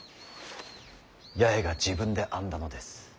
八重が自分で編んだのです。